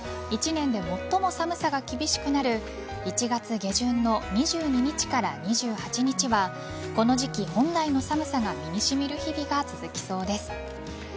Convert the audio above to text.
１年で最も寒さが厳しくなる１月下旬の２２日から２８日はこの時期本来の寒さが身に染みる日々が続きそうです。